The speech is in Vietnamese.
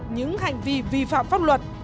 những hành vi vi phạm pháp luật